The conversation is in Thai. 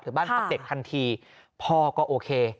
หรือบ้านพระเด็กทันทีพ่อก็โอเค